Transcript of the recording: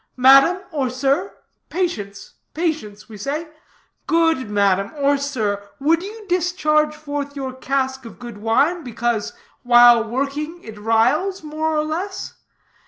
'Madam, or sir patience; patience,' we say; 'good madam, or sir, would you discharge forth your cask of good wine, because, while working, it riles more or less?